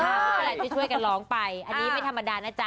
ก็กำลังจะช่วยกันร้องไปอันนี้ไม่ธรรมดานะจ๊ะ